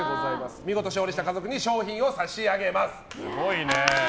見事勝利した家族に商品を差し上げます。